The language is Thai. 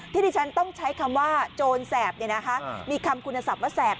ที่ที่ฉันต้องใช้คำว่าโจรแสบมีคำคุณศัพท์ว่าแสบ